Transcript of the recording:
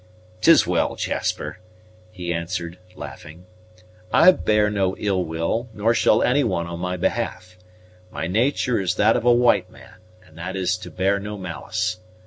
"'Tis well, Jasper," he answered, laughing; "I bear no ill will, nor shall any one on my behalf. My natur' is that of a white man, and that is to bear no malice.